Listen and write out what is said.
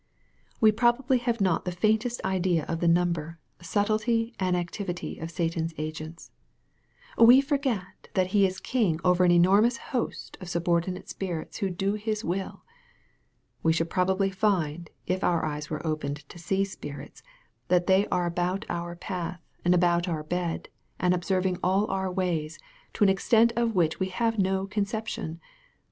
We probably have not the faintest idea of the number, subtlety, and activity of Satan's agents. We forget that he is king over an enormous host of subordinate spirits who do his will. We should probably find, if our eyes were opened to see spirits, that they are about our path, and about our bed, and observing all our ways, to an extent of which we have no conception.